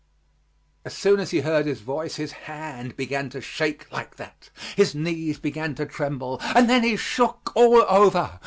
As soon as he heard his voice, his hand began to shake like that, his knees began to tremble, and then he shook all over.